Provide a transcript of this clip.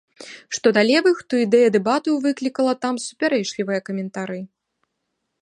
Што да левых, то ідэя дэбатаў выклікала там супярэчлівыя каментары.